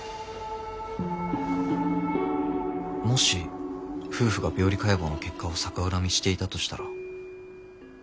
もし夫婦が病理解剖の結果を逆恨みしていたとしたら。